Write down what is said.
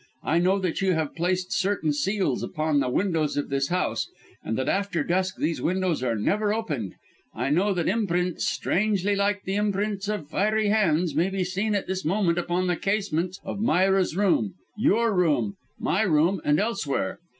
I know that you have placed certain seals upon the windows of this house, and that after dusk these windows are never opened. I know that imprints, strangely like the imprints of fiery hands, may be seen at this moment upon the casements of Myra's room, your room, my room, and elsewhere.